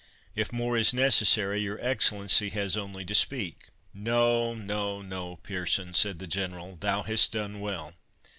If more is necessary, your Excellency has only to speak." "No—no—no, Pearson," said the General, "thou hast done well.